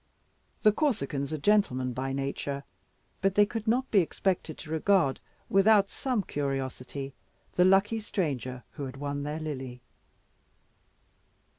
The Corsicans are gentlemen by nature, but they could not be expected to regard without some curiosity the lucky stranger who had won their Lily.